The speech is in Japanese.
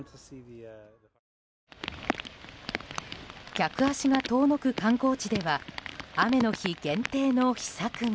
客足が遠のく観光地では雨の日限定の秘策が。